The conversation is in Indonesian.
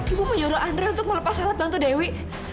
ibu menyuruh andre untuk melepas alat bantu dewi